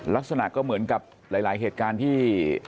ลักษณะก็เหมือนกับหลายเหตุการณ์ที่